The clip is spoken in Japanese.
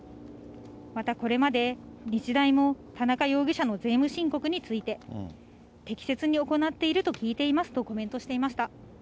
また、これまで日大も田中容疑者の税務申告について、適切に行っていると聞いていますとコメントしていました。